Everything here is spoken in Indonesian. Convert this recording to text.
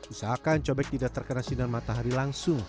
usahakan cobek tidak terkena sinar matahari langsung